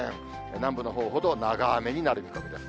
南部のほうほど長雨になる見込みです。